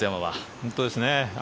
本当ですね。